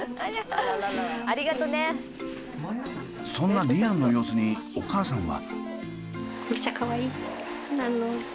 そんなリアンの様子にお母さんは。